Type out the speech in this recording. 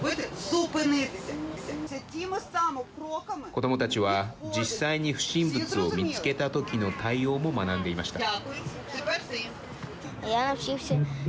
子どもたちは実際に不審物を見つけた時の対応も学んでいました。